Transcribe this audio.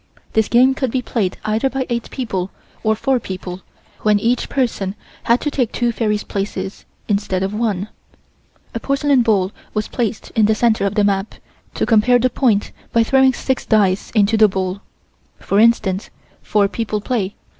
This game could be played either by eight people or four people, when each person had to take two fairies' places, instead of one. A porcelain bowl was placed in the center of the map, to compare the point by throwing six dice into the bowl. For instance, four people play.